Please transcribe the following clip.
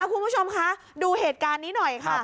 คุณผู้ชมคะดูเหตุการณ์นี้หน่อยค่ะ